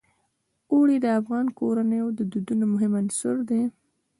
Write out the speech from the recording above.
اوړي د افغان کورنیو د دودونو مهم عنصر دی.